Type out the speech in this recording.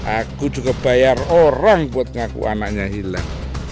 aku juga bayar orang buat ngaku anaknya hilang